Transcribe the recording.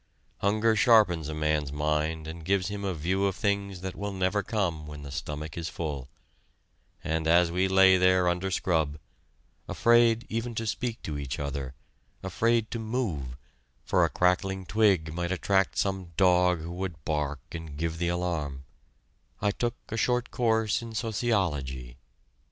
Hunger sharpens a man's mind and gives him a view of things that will never come when the stomach is full; and as we lay there under scrub, afraid even to speak to each other, afraid to move, for a crackling twig might attract some dog who would bark and give the alarm, I took a short course in sociology....